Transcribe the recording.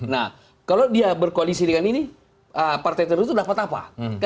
nah kalau dia berkoalisi dengan ini partai terbesar dapat apa